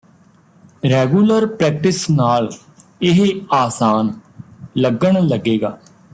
regular practice ਨਾਲ ਇਹ ਆਸਾਨ ਲੱਗਣ ਲੱਗੇਗਾ